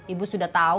ibu sudah tahu